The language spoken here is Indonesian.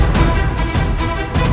jangan lori kau